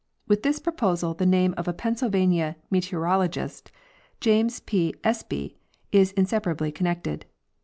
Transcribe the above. With this proposal the name of a Penn sylvania meteorologist, James P. Espy, is inseparably connected.